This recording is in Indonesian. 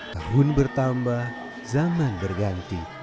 tahun bertambah zaman berganti